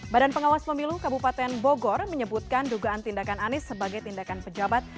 badan pengawas pemilu kabupaten bogor menyebutkan dugaan tindakan anies sebagai tindakan pejabat